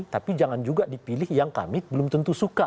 tapi jangan juga dipilih yang kami belum tentu suka